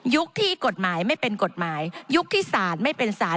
ที่กฎหมายไม่เป็นกฎหมายยุคที่ศาลไม่เป็นสาร